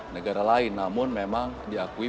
negara lain namun memang diakui